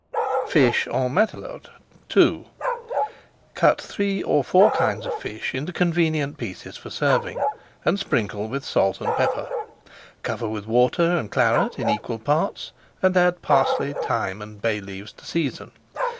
FISH EN MATELOTE II Cut three or four kinds of fish into convenient pieces for serving, and sprinkle with salt and pepper. Cover with water and Claret in equal parts, and add parsley, thyme, and bay leaves to season.